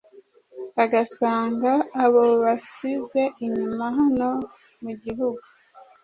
agasanga abo basize inyuma hano mu gihugu